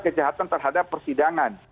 kejahatan terhadap persidangan